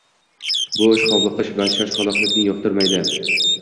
Bu ish xovliqish va shoshqaloqlikni yoqtirmaydi.